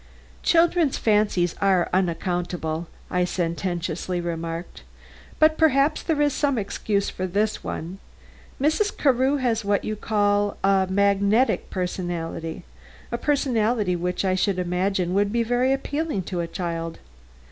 "Children's fancies are unaccountable," I sententiously remarked; "but perhaps there is some excuse for this one. Mrs. Carew has what you call magnetism a personality which I should imagine would be very appealing to a child.